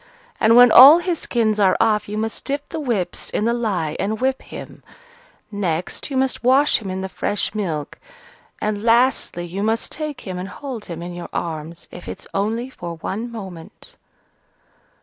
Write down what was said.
And when all his skins are off, you must dip the whips in the lye and whip him; next, you must wash him in the fresh milk; and, lastly, you must take him and hold him in your arms, if it's only for one moment."